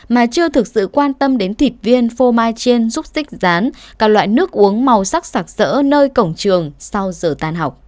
mà chưa thực sự quan tâm đến thịt viên phô mai chin xúc xích rán các loại nước uống màu sắc sạc sỡ nơi cổng trường sau giờ tan học